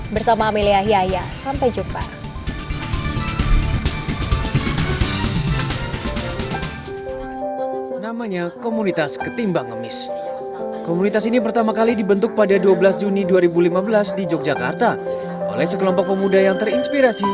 bersama amelia hiaya sampai jumpa